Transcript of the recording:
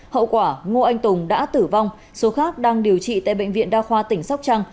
hậu quả ngô anh tùng đã tử vong số khác đang điều trị tại bệnh viện đa khoa tỉnh sóc trăng